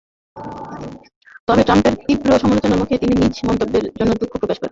পরে ট্রাম্পের তীব্র সমালোচনার মুখে তিনি নিজ মন্তব্যের জন্য দুঃখ প্রকাশ করেন।